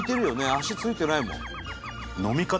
足ついてないもん飲み方